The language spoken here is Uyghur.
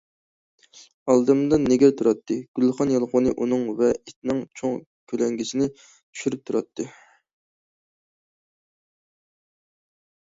ئالدىمدا نېگىر تۇراتتى، گۈلخان يالقۇنى ئۇنىڭ ۋە ئىتنىڭ چوڭ كۆلەڭگىسىنى چۈشۈرۈپ تۇراتتى.